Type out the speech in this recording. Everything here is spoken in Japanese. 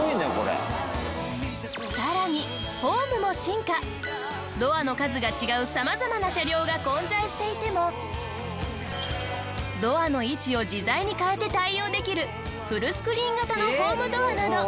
更にドアの数が違う様々な車両が混在していてもドアの位置を自在に変えて対応できるフルスクリーン型のホームドアなど。